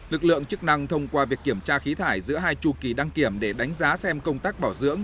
lực lượng chức năng thông qua việc kiểm tra khí thải giữa hai chủ kỳ đăng kiểm để đánh giá xem công tác bảo dưỡng